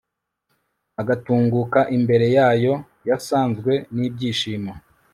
agatunguka imbere yayo yasazwe n'ibyishimo